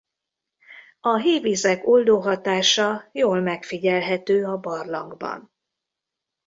A hévizek oldó hatása jól megfigyelhető a barlangban.